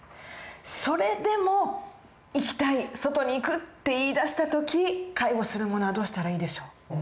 それでも「行きたい外に行く」って言いだした時介護する者はどうしたらいいでしょう？